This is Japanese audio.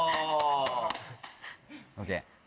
ＯＫ。